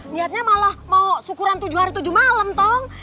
lihatnya malah mau sukuran tujuh hari tujuh malem tong